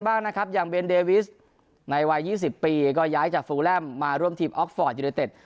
บ้างนะครับอย่างเบนเดวิสในวัย๒๐ปีก็ย้ายจากฟูแลมมาร่วมทีมออกฟอร์ดยูเนเต็ด